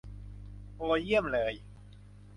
โอ เยี่ยมเลย